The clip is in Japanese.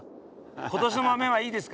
今年の豆はいいですか？